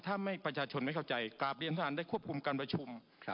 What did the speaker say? ถ้าประชาชนไม่เข้าใจกราบเรียนท่านได้ควบคุมการประชุม